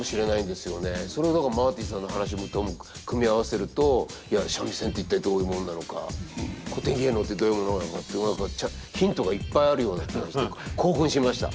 それをだからマーティさんの話とも組み合わせるといや三味線って一体どういうものなのか古典芸能ってどういうものなのかっていうのがヒントがいっぱいあるような気がして興奮しました。